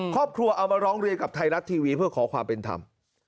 ครอบครัวเอามาร้องเรียนกับไทยรัฐทีวีเพื่อขอความเป็นธรรม